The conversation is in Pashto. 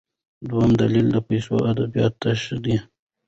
دویم دلیل د پښتو ادبیاتو تشه ده.